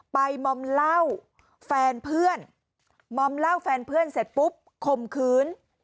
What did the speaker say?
มอมเหล้าแฟนเพื่อนมอมเหล้าแฟนเพื่อนเสร็จปุ๊บคมคืน